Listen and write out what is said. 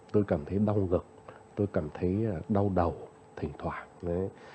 tôi cảm thấy đau gực tôi cảm thấy đau đầu thỉnh thoảng